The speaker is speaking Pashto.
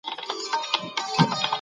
فشار د غاړې درد زیاتوي.